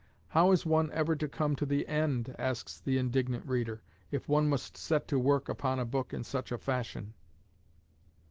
How is one ever to come to the end, asks the indignant reader, if one must set to work upon a book in such a fashion?